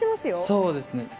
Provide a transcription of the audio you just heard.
そうですね。